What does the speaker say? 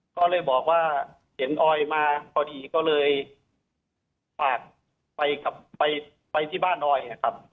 ก็เลยบอกว่าเห็นออยมาพอดีก็เลยฝากไปกลับไปที่บ้านออยนะครับ